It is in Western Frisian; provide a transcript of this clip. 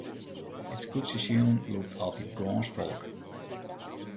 It skûtsjesilen lûkt altyd gâns folk.